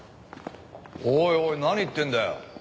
おいおい何言ってんだよ。